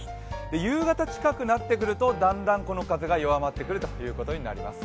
夕方近くなってくるとだんだんこの風が弱まってくるということになります。